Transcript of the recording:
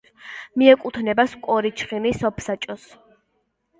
მიეკუთვნება სკვორჩიხინის სოფსაბჭოს.